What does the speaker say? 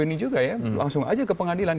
ini juga ya langsung aja ke pengadilan